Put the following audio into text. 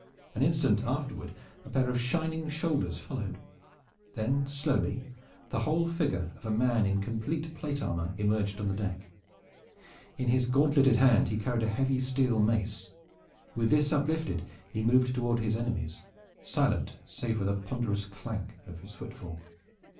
An instant afterward a pair of shining shoulders followed. Then slowly the whole figure of a man in complete plate armor emerged on the deck. In his gauntleted hand he carried a heavy steel mace. With this uplifted he moved toward his enemies, silent save for the ponderous clank of his footfall.